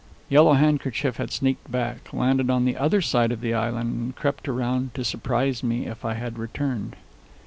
Yellow Handkerchief had sneaked back, landed on the other side of the island, and crept around to surprise me if I had returned.